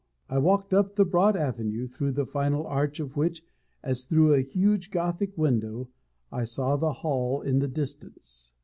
I walked up the broad avenue, through the final arch of which, as through a huge Gothic window, I saw the hall in the distance.